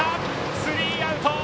スリーアウト！